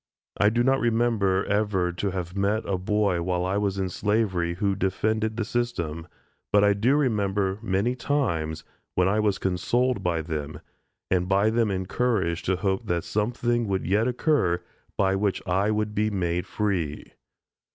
I do not remember ever to have met with a boy while I was in slavery, who defended the system, but I do remember many times, when I was consoled by them, and by them encouraged to hope that something would yet occur by which I would be made free.